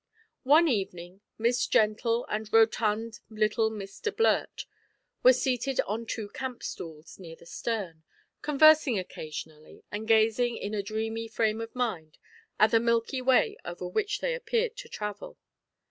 One evening Miss Gentle and rotund little Mr Blurt were seated on two camp stools near the stern, conversing occasionally and gazing in a dreamy frame of mind at the milky way over which they appeared to travel.